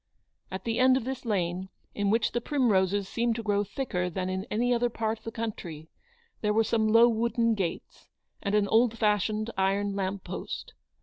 At the end of this lane, in which the primroses seemed to grow thicker than in any other part of the country, there were some low wooden gates, and an old fashioned iron lamp post.